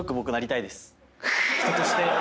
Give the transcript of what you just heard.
人として。